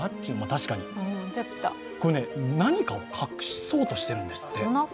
これ、何かを隠そうとしているんですって。